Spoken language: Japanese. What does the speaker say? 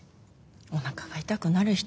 おなかが痛くなる人